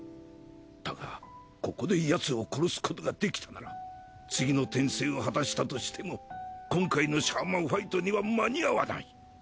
だがここでヤツを殺すことができたなら次の転生を果たしたとしても今回のシャーマンファイトには間に合わない。